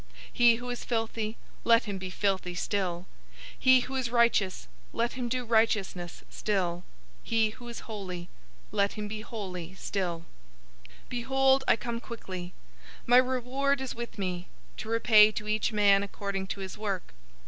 He who is filthy, let him be filthy still. He who is righteous, let him do righteousness still. He who is holy, let him be holy still." 022:012 "Behold, I come quickly. My reward is with me, to repay to each man according to his work.